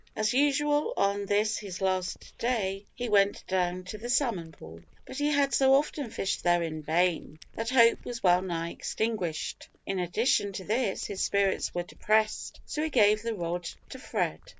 As usual, on this his last day, he went down to the salmon pool, but he had so often fished there in vain, that hope was well nigh extinguished. In addition to this, his spirits were depressed, so he gave the rod to Fred.